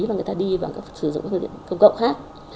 mà người ta đi và sử dụng phương tiện công cộng khác